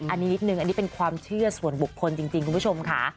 อันนี้นิดนึงอันนี้เป็นความเชื่อส่วนบุคคลจริงคุณผู้ชมค่ะ